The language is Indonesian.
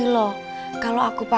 jadi saya pun yek